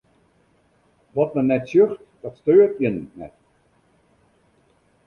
Wat men net sjocht, dat steurt jin net.